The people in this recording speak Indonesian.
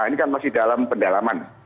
ini kan masih dalam pendalaman